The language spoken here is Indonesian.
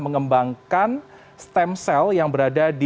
mengembangkan stem cell yang berada di sanur bali